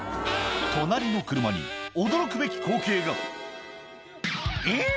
隣の車に驚くべき光景がえっ？